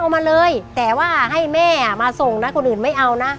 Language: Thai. แม่อะมาส่งนะคนอื่นไม่เอานะ